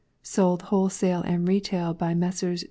Sold Wholesale and Retail by Messrs.